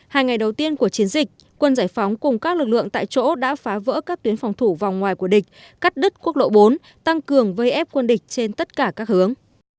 hai ngày đầu tiên của chiến dịch quân giải phóng cùng các lực lượng tại chỗ đã phá vỡ các tuyến phòng thủ vòng ngoài của địch cắt đứt quốc lộ bốn tăng cường vây ép quân địch trên tất cả các hướng